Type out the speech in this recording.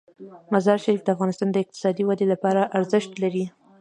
مزارشریف د افغانستان د اقتصادي ودې لپاره ارزښت لري.